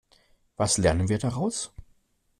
Was lernen wir daraus?